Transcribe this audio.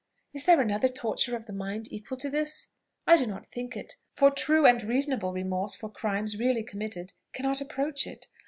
Is there another torture of the mind equal to this? I do not think it; for true and reasonable remorse for crimes really committed cannot approach it.